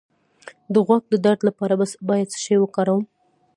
د غوږ د درد لپاره باید څه شی وکاروم؟